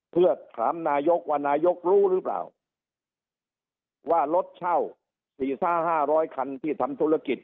เพื่อถามนายกว่านายกรู้หรือเปล่าว่ารถเช่า๔๕๐๐คันที่ทำธุรกิจ